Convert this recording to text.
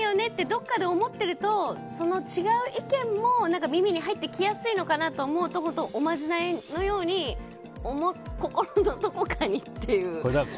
どこかで思っていると違う意見も耳に入ってきやすいのかなと思うとおまじないのように心のどこかにっていうことですよね。